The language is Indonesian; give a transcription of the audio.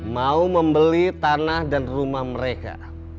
mau membeli tanah dan rumah mereka